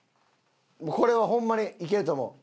これはホンマにいけると思う。